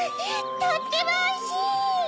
とってもおいしい！